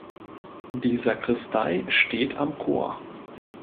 Die Sakristei steht am Chor.